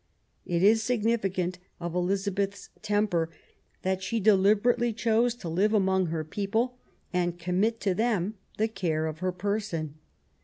It is significant of Elizabeth's temper that she deliberately chose to live among her people and commit to them the care of her person.